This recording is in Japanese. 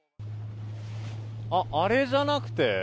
あれじゃなくて？